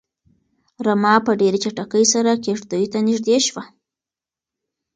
رمه په ډېرې چټکۍ سره کيږديو ته نږدې شوه.